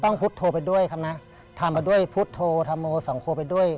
พุทธโทรไปด้วยครับนะทำไปด้วยพุทธโธธรรมโมสังโคไปด้วย